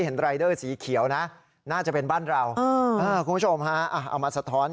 เออแล้วเห็นแบบโฆษณาสบู่เนี่ย